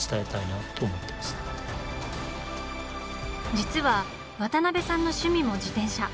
実は渡辺さんの趣味も自転車。